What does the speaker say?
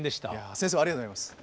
先生もありがとうございます。